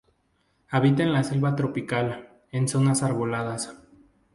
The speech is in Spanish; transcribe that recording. Habita en la selva tropical, en zonas arboladas.